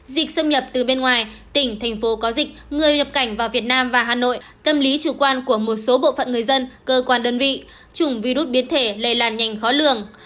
dịch xâm nhập từ bên ngoài tỉnh thành phố có dịch người nhập cảnh vào việt nam và hà nội tâm lý chủ quan của một số bộ phận người dân cơ quan đơn vị chủng virus biến thể lây lan nhanh khó lường